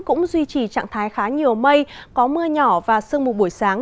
cũng duy trì trạng thái khá nhiều mây có mưa nhỏ và sương mù buổi sáng